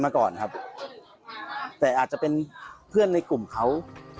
มาก่อนครับแต่อาจจะเป็นเพื่อนในกลุ่มเขา